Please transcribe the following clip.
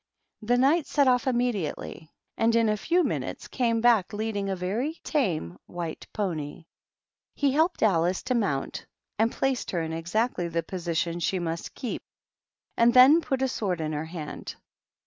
The Knight set off immediately, and in a fe minutos came back leading a very tame whi pony. IIo liolped Alice to mount, and placed h in exactly tho position slie must keep, and th( put a sword in lier hand.